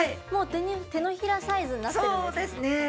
もう手のひらサイズになってるんですね。